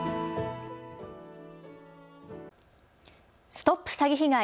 ＳＴＯＰ詐欺被害！